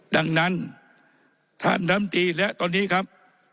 ดังนั้นท่านน้ำตีและตอนนี้ครับ